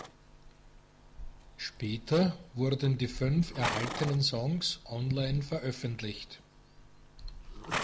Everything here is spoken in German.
Später wurden die fünf erhaltenen Songs online veröffentlicht.